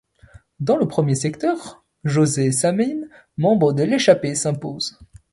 Dans le premier secteur, José Samyn, membre de l'échappée s'impose.